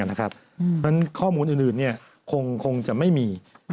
เพราะฉะนั้นข้อมูลอื่นคงจะไม่มี